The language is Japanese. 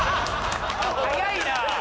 早いな！」